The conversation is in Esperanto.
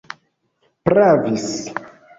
pravis